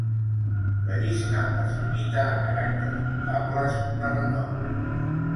La llista es limita a caràcters notables de renom.